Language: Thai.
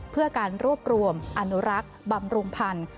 เพื่อการรวบรวมอนุรักษ์บำรุงพันธุ์